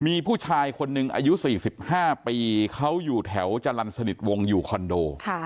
มีผู้ชายคนหนึ่งอายุ๔๕ปีเขาอยู่แถวจรรย์สนิทวงอยู่คอนโด